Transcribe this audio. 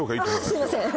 すいません